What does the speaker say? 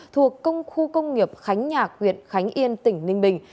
thuộc công khu công nghiệp khánh nhạc huyện khánh yên tỉnh ninh bình